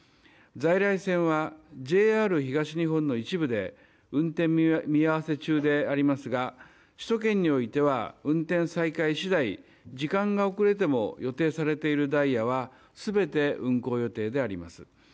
在来線はＪＲ東日本の一部で運転見合わせ中ですが首都圏においては運転再開次第時間が遅れても予定されているダイヤは全て運行予定であります。